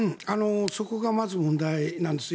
そこがまず問題なんです。